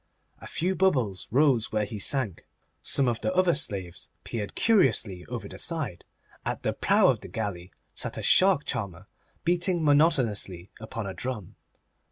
A few bubbles rose where he sank. Some of the other slaves peered curiously over the side. At the prow of the galley sat a shark charmer, beating monotonously upon a drum.